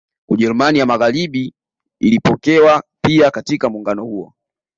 Ujerumani ya Magaharibi ilipokewa pia katika muungano huo